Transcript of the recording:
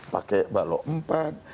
pakai balok empat